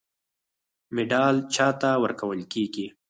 مډال چا ته ورکول کیږي؟